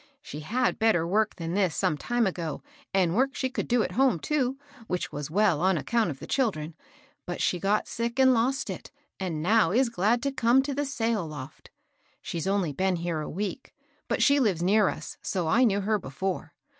She bad better work than this some time ago, and work she could do at home, too, which was well on account of the children; but she got sick and lost it, and now is glad to come to the sail loft. She's only been here a week ; but she lives near us, so I knew her before.